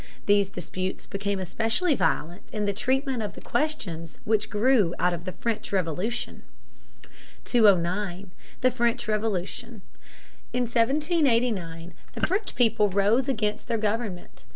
These disputes became especially violent in the treatment of the questions which grew out of the French Revolution. [Sidenote: The French Revolution, 1789.] 209. The French Revolution. In 1789 the French people rose against their government.